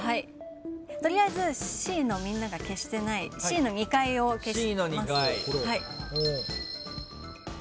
取りあえずＣのみんなが消してないＣの２階を消します。